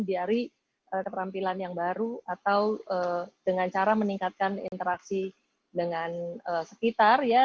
dari keterampilan yang baru atau dengan cara meningkatkan interaksi dengan sekitar ya